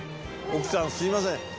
奥さんすいません。